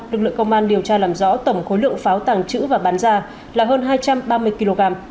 lực lượng công an điều tra làm rõ tổng khối lượng pháo tàng trữ và bán ra là hơn hai trăm ba mươi kg